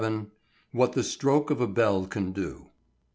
VII. WHAT THE STROKE OF A BELL CAN DO.